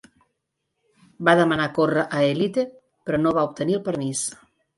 Va demanar córrer a Elite, però no va obtenir el permís.